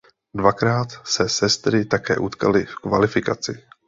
Dvakrát se sestry také utkaly v kvalifikaci.